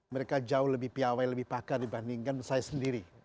mereka jauh lebih piawai lebih pakar dibandingkan saya sendiri